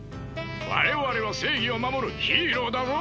我々は正義を守るヒーローだぞ！